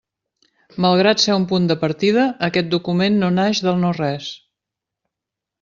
Malgrat ser un punt de partida, aquest document no naix del no-res.